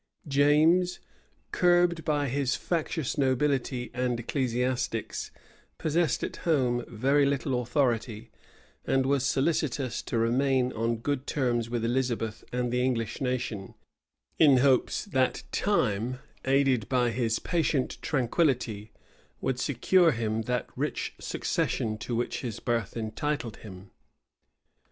James, curbed by his factious nobility and ecclesiastics, possessed at home very little authority; and was solicitous to remain on good terms with Elizabeth and the English nation, in hopes that time, aided by his patient tranquillity, would secure him that rich succession to which his birth entitled him.